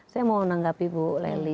saya mau menanggapi bu lely